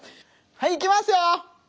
はいいきますよ。